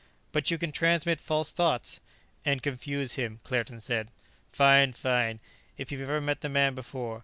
"But you can transmit false thoughts " "And confuse him," Claerten said. "Fine. Fine. If you've ever met the man before.